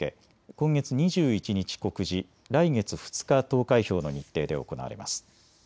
今月２１日告示、来月２日投開票の日程で行われます。